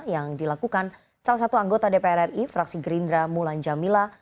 yang dilakukan salah satu anggota dpr ri fraksi gerindra mulan jamila